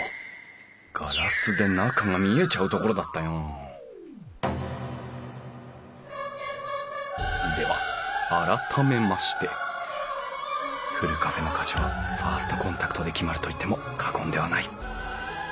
ガラスで中が見えちゃうところだったよでは改めましてふるカフェの価値はファーストコンタクトで決まると言っても過言ではない。